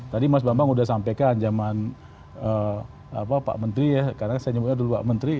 tadi mas bambang sudah sampaikan zaman pak menteri ya karena saya nyebutnya dulu pak menteri